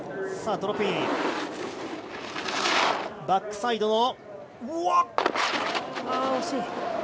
バックサイド。